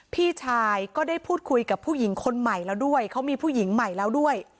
พี่ชายก็ได้พูดคุยกับผู้หญิงคนใหม่แล้วด้วยเขามีผู้หญิงใหม่แล้วด้วย